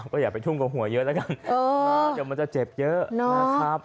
ก็อย่าไปทุ่มกับหัวเยอะแล้วกันเดี๋ยวมันจะเจ็บเยอะนะครับ